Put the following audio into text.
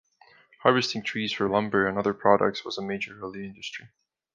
Harvesting trees for lumber and other products was a major early industry.